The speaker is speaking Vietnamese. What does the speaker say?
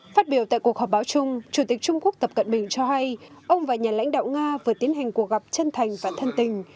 phát biểu tại cuộc họp báo chung chủ tịch trung quốc tập cận bình cho hay ông và nhà lãnh đạo nga vừa tiến hành cuộc gặp chân thành và thân tình